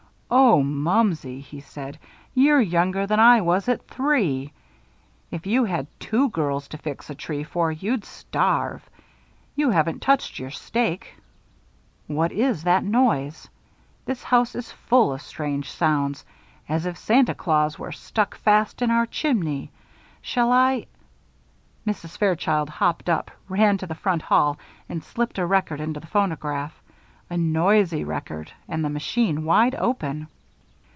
"Oh, Mumsey!" he said. "You're younger than I was at three. If you had two girls to fix a tree for, you'd starve. You haven't touched your steak what is that noise? This house is full of strange sounds as if Santa Claus were stuck fast in our chimney. Shall I " Mrs. Fairchild hopped up, ran to the front hall, and slipped a record into the phonograph. A noisy record and the machine wide open.